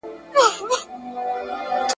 آيا د مدرسو هدف د واقعيتونو بيانول وو؟